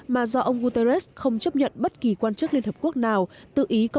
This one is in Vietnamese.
mà do ông guterres không chấp nhận bất kỳ quan chức liên hợp quốc